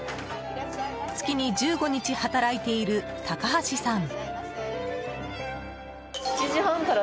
月に１５日働いている高橋さん。